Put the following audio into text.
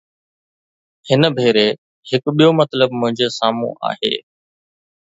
هن ڀيري هڪ ٻيو مطلب منهنجي سامهون آهي.